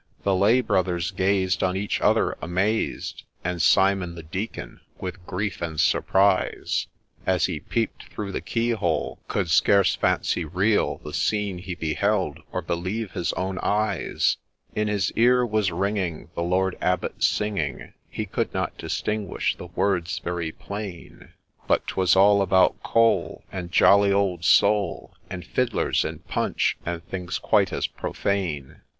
The lay brothers gazed on each other, amazed ; And Simon the Deacon, with grief and surprise, As he peep'd through the key hole, could scarce fancy real The scene he beheld, or believe his own eyes. In his ear was ringing the Lord Abbot singing, — He could not distinguish the words very plain, But 'twas all about 'Cole,' and 'jolly old Soul,' And ' Fiddlers,' and ' Punch,' and things quite as profane.